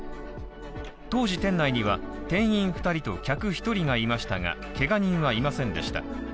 当時店内には店員２人と客１人がいましたがけが人はいませんでした。